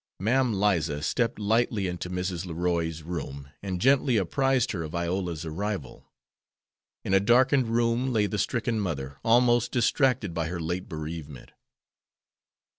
Mam Liza stepped lightly into Mrs. Leroy's room, and gently apprised her of Iola's arrival. In a darkened room lay the stricken mother, almost distracted by her late bereavement.